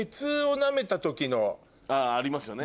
あぁありますよね。